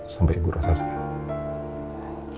sampai ibu rosa selesai